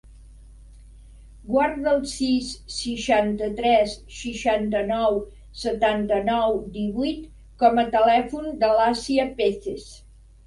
Guarda el sis, seixanta-tres, seixanta-nou, setanta-nou, divuit com a telèfon de l'Assia Peces.